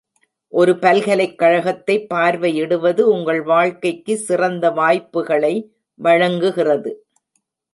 ஒரு பல்கலைக்கழகத்தைப் பார்வையிடுவது உங்கள் வாழ்க்கைக்கு சிறந்த வாய்ப்புகளை வழங்குகிறது.